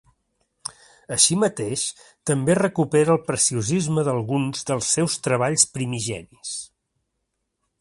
Així mateix, també recupera el preciosisme d'alguns dels seus treballs primigenis.